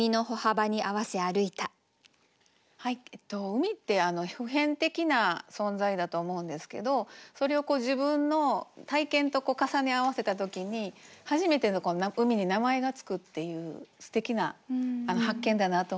海って普遍的な存在だと思うんですけどそれを自分の体験と重ね合わせたときに初めて海に名前が付くっていうすてきな発見だなと思いました。